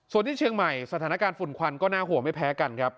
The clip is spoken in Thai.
ส่วนที่เชียงใหม่สถานการณ์ฝุ่นควันก็น่าห่วงไม่แพ้กันครับ